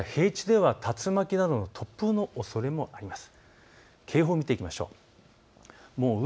それから平地では竜巻などの突風のおそれがあります。